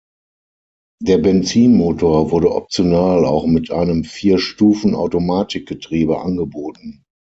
Der Benzinmotor wurde optional auch mit einem Vier-Stufen-Automatikgetriebe angeboten.